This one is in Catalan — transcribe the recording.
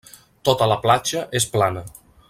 Tota la platja és plana.